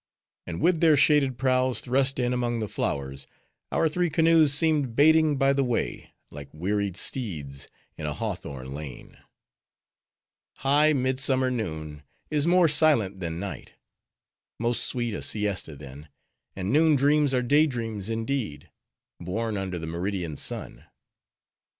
And with their shaded prows thrust in among the flowers, our three canoes seemed baiting by the way, like wearied steeds in a hawthorn lane. High midsummer noon is more silent than night. Most sweet a siesta then. And noon dreams are day dreams indeed; born under the meridian sun.